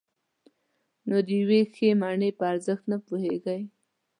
نو د یوې ښې مڼې په ارزښت نه پوهېږئ.